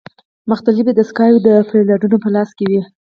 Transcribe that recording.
مختلفې دستګاوې د فیوډالانو په لاس کې وې.